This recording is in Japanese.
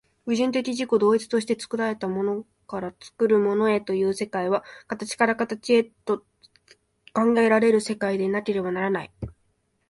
矛盾的自己同一として作られたものから作るものへという世界は、形から形へと考えられる世界でなければならない。